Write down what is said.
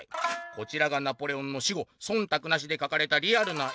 「こちらがナポレオンの死後そんたくなしで描かれたリアルな絵。